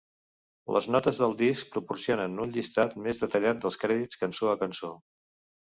Les notes del disc proporcionen un llistat més detallat dels crèdits cançó a cançó.